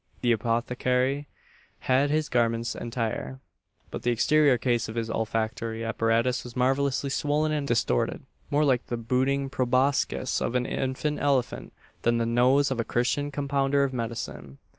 The apothecary had his garments entire, but the exterior case of his olfactory apparatus was marvellously swollen and distorted more like the budding proboscis of an infant elephant, than the nose of a Christian compounder of medicine.